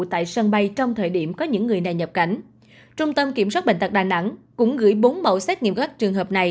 tại sân bay trong thời điểm có những người này nhập cảnh trung tâm kiểm soát bệnh tật đà nẵng cũng gửi bốn mẫu xét nghiệm các trường hợp này